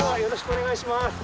よろしくお願いします。